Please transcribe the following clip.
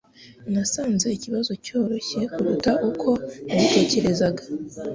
Nasanze ikibazo cyoroshye kuruta uko nabitekerezaga.